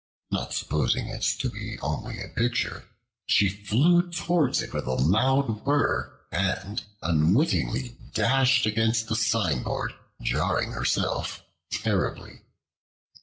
Not supposing it to be only a picture, she flew towards it with a loud whir and unwittingly dashed against the signboard, jarring herself terribly.